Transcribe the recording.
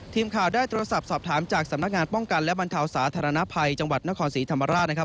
ทีมข่าวได้โทรศัพท์สอบถามจากสำนักงานป้องกันและบรรเทาสาธารณภัยจังหวัดนครศรีธรรมราชนะครับ